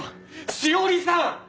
詩織さん！